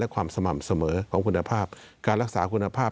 และความสม่ำเสมอของคุณภาพ